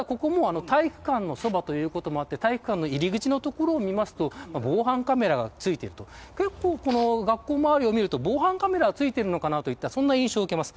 ただここも、体育館のそばということもあり体育館の入り口の所を見ますと防犯カメラがついている学校周りを見ると防犯カメラが付いているのかなという印象を受けます。